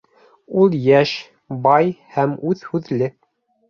Ул йәш, бай һәм үҙһүҙле.